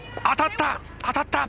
当たった！